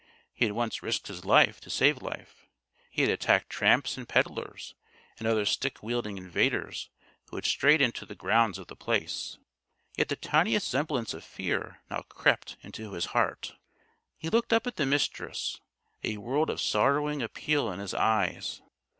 He had once risked his life to save life. He had attacked tramps and peddlers and other stick wielding invaders who had strayed into the grounds of The Place. Yet the tiniest semblance of fear now crept into his heart. He looked up at the Mistress, a world of sorrowing appeal in his eyes.